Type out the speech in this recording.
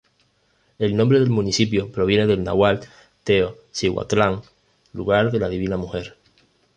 El nombre del municipio proviene del náhuatl Teo Cihua-tlán: "lugar de la divina mujer".